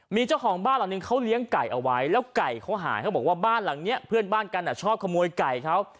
มีเจ้าของบ้านหลังนึงเขาเลี้ยงไก่เอาไว้แล้วไก่เขาหายเขาบอกว่าบ้านหลังนี้เพื่อนบ้านกันชอบขโมยไก่เขา